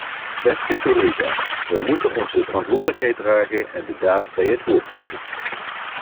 Beste collega's, we moeten onze verantwoordelijkheid dragen, en de daad bij het woord voegen.